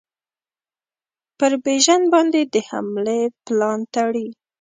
پر بیژن باندي د حملې پلان تړي.